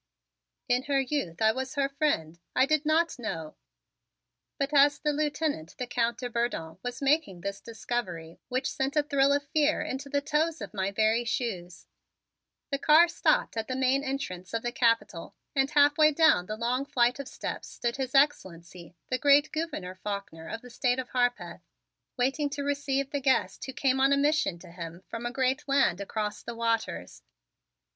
In her youth I was her friend. I did not know " but as the Lieutenant, the Count de Bourdon, was making this discovery which sent a thrill of fear into the toes of my very shoes, the car stopped at the main entrance of the Capitol and halfway down the long flight of steps stood His Excellency, the great Gouverneur Faulkner of the State of Harpeth, waiting to receive the guest who came on a mission to him from a great land across the waters.